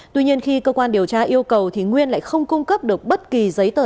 tuy nhiên khi cơ quan điều tra yêu cầu thì nguyên lại không cung cấp được bất kỳ giấy tờ